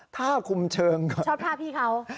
ถ้าคุมเชิงชอบภาพพี่เขา